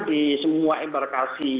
di semua embarkasi